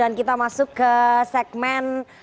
dan kita masuk ke segmen